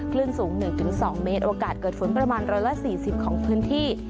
ขึ้นสูง๑๒เมตรโอกาสเกิดฝนประมาณร้อยละ๔๐ของพื้นที่